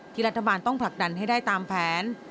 รัฐบาลต้องผลักดันให้ได้ตามแผน